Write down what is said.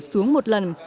xuống một lần